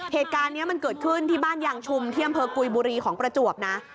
เหตุการณ์นี้มันเกิดขึ้นที่บ้านยางชุมที่อำเภอกุยบุรีของประจวบนะ